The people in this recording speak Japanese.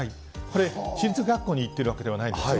これ、私立学校に行っているわけではないんです。